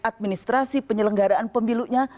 administrasi penyelenggaraan pemilunya